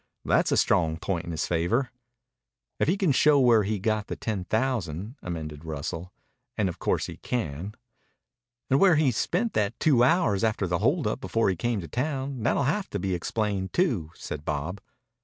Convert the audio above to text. That's a strong point in his favor." "If he can show where he got the ten thousand," amended Russell. "And of course he can." "And where he spent that two hours after the hold up before he came to town. That'll have to be explained too," said Bob.